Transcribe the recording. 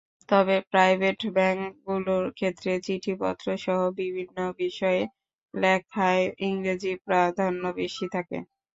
তবে প্রাইভেট ব্যাংকগুলোর ক্ষেত্রে চিঠিপত্রসহ বিভিন্ন বিষয় লেখায় ইংরেজির প্রাধান্য বেশি থাকে।